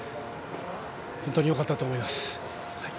本当によかったと思います。